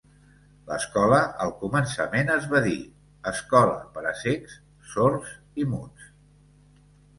L'escola, al començament, es va dir "Escola per a cecs, sords i muts".